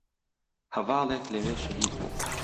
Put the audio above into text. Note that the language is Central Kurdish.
هەڤاڵێک لەوێ شەهید بوو